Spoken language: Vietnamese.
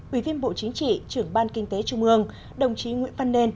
ủy viên bộ chính trị trưởng ban kinh tế trung ương đồng chí nguyễn văn nên